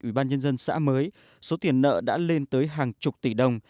ủy ban nhân dân xã mới số tiền nợ đã lên tới hàng chục tỷ đồng